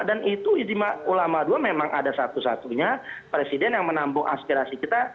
dan itu ijtima ulama dua memang ada satu satunya presiden yang menambung aspirasi kita